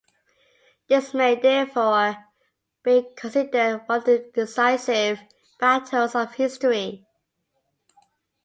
This may therefore be considered one of the decisive battles of history.